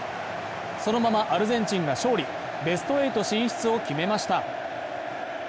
そのままアルゼンチンが勝利、ベスト８進出を決めました。